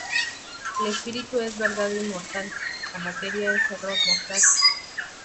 El Espíritu es Verdad inmortal; la materia es error mortal.